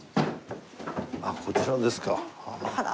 あっこちらですか？